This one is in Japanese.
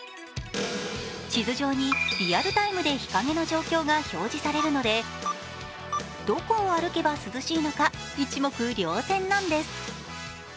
地図上にリアルタイムで日陰の状況が表示されるのでどこを歩けば涼しいのか、一目瞭然なんです。